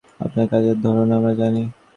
আপনার কাজের ধরন আমরা জানি।